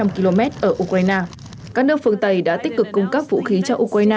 năm trăm linh km ở ukraine các nước phương tây đã tích cực cung cấp vũ khí cho ukraine